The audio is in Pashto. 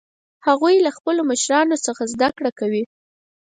هغوی له خپلو مشرانو څخه زده کړه کوي